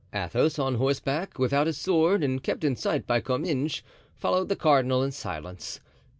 Athos, on horseback, without his sword and kept in sight by Comminges, followed the cardinal in silence.